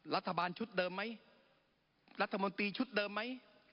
รัฐบาลชุดเดิมไหมรัฐมนตรีชุดเดิมไหม